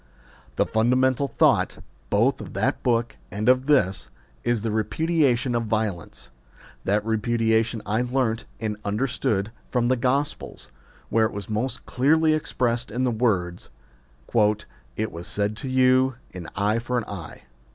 The fundamental thought, both of that book 19 ao AUTHOR'S PREFACE and of this, is the repudiation of violence. That repudiation I learnt, and understood, from the Gospels, where it is most clearly expressed in the words, " It was said to you, An eye for an eye